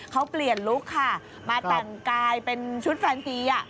เขาเปลี่ยนลุคค่ะมาแต่งกายเป็นชุดแฟนซี